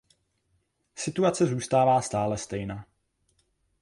Situace zůstává stále stejná.